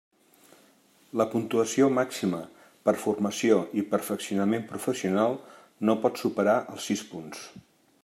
La puntuació màxima per formació i perfeccionament professional no pot superar els sis punts.